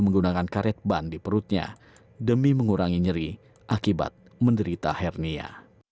menggunakan karet ban di perutnya demi mengurangi nyeri akibat menderita hernia